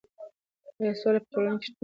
ایا سوله په ټولنه کې شته؟